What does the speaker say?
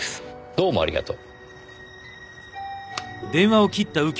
どうもありがとう。